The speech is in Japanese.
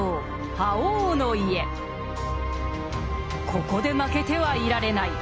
ここで負けてはいられない。